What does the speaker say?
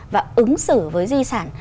và ứng xử với di sản